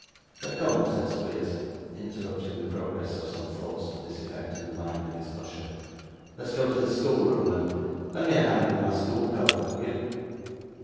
'But come,' said Squeers, interrupting the progress of some thoughts to this effect in the mind of his usher, 'let's go to the schoolroom; and lend me a hand with my school coat, will you?